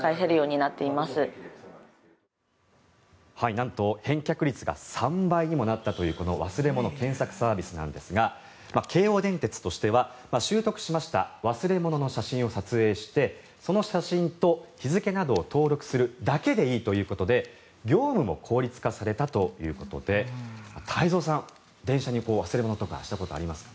なんと返却率が３倍にもなったというこの忘れ物検索サービスですが京王電鉄としては拾得しました忘れ物の写真を撮影してその写真と日付などを登録するだけでいいということで業務も効率化されたということで太蔵さん、電車に忘れ物とかしたことありますか？